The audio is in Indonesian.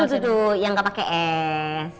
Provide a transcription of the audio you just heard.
itu tuh yang gak pake es